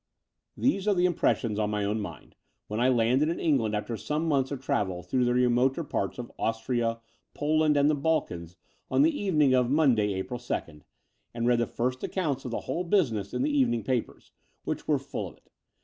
These are the impressions on my own mind, when I landed in England after some months of travel through the remoter parts of Austria, Poland, and the Balkans on the evening of Mon day, April 2nd, and read the first accoimts of the whole business in the evening papers, which were ftdl of it.